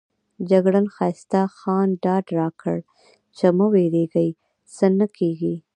جګړن ښایسته خان ډاډ راکړ چې مه وېرېږئ څه نه کېږي.